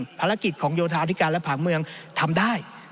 ภารกิจของโยธาธิการและผังเมืองทำได้